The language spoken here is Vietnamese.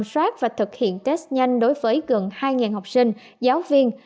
soát và thực hiện test nhanh đối với gần hai học sinh giáo viên